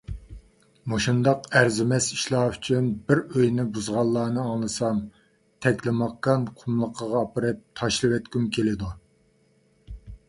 مۇشۇنداق ئەرزىمەس ئىشلار ئۈچۈن بىر ئۆينى بۇزغانلارنى ئاڭلىسام، تەكلىماكان قۇملۇقىغا ئاپىرىپ تاشلىۋەتكۈم كېلىدۇ.